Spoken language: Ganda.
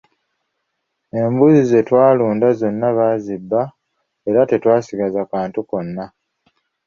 Embuzi ze twalunda zonna baazibba era tetwasigaza kantu konna.